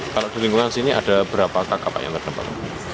kalau di lingkungan sini ada berapa kakak yang terdampak